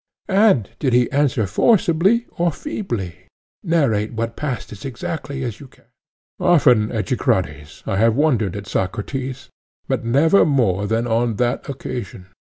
And did he answer forcibly or feebly? Narrate what passed as exactly as you can. PHAEDO: Often, Echecrates, I have wondered at Socrates, but never more than on that occasion.